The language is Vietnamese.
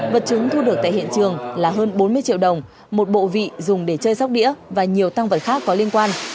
vật chứng thu được tại hiện trường là hơn bốn mươi triệu đồng một bộ vị dùng để chơi róc đĩa và nhiều tăng vật khác có liên quan